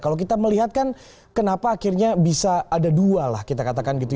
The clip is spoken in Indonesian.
kalau kita melihat kan kenapa akhirnya bisa ada dua lah kita katakan gitu